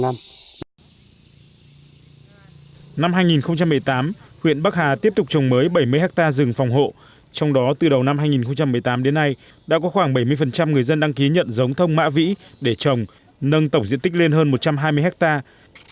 năm hai nghìn một mươi tám huyện bắc hà tiếp tục trồng mới bảy mươi hectare rừng phòng hộ trong đó từ đầu năm hai nghìn một mươi tám đến nay đã có khoảng bảy mươi người dân đăng ký nhận giống thông mã vĩ để trồng nâng tổng diện tích lên hơn một trăm hai mươi hectare